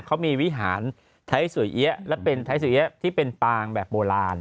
เขามีวิหารใช้สวยเอี๊ยะและเป็นใช้สวยเอี๊ยะที่เป็นปางแบบโบราณ